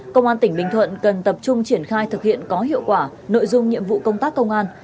công an tỉnh bình thuận cần tập trung triển khai thực hiện có hiệu quả nội dung nhiệm vụ công tác công an